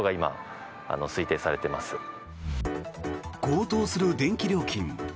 高騰する電気料金。